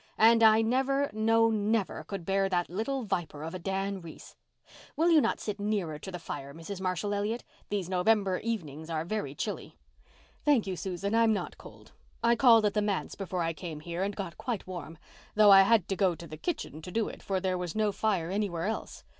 And I never, no, never could bear that little viper of a Dan Reese. Will you not sit nearer to the fire, Mrs. Marshall Elliott? These November evenings are very chilly." "Thank you, Susan, I'm not cold. I called at the manse before I came here and got quite warm—though I had to go to the kitchen to do it, for there was no fire anywhere else.